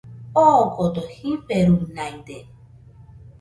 Ogodo jiferunaide